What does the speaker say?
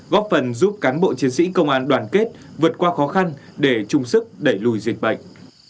góp phần giúp cán bộ chiến sĩ công an đoàn kết vượt qua khó khăn để chung sức đẩy lùi dịch bệnh